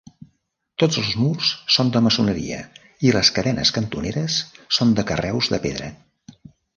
Tots els murs són de maçoneria i les cadenes cantoneres són de carreus de pedra.